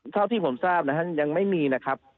เท่าที่ผมทราบนะครับยังไม่มีนะครับ